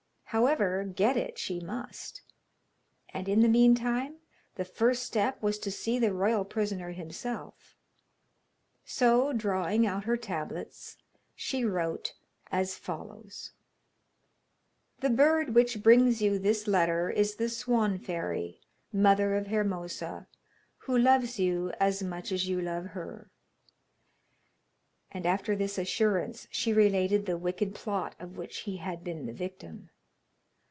However, get it she must, and in the meantime the first step was to see the royal prisoner himself. So, drawing out her tablets, she wrote as follows: [Illustration: THE SWALLOW BRINGS THE NOTE TO LINO] 'The bird which brings you this letter is the Swan fairy, mother of Hermosa, who loves you as much as you love her!' And after this assurance, she related the wicked plot of which he had been the victim.